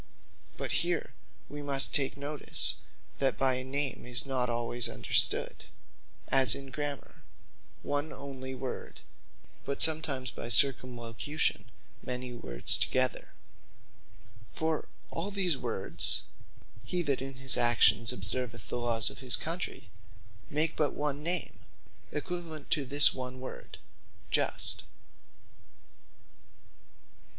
But here wee must take notice, that by a Name is not alwayes understood, as in Grammar, one onely word; but sometimes by circumlocution many words together. For all these words, Hee That In His Actions Observeth The Lawes Of His Country, make but one Name, equivalent to this one word, Just.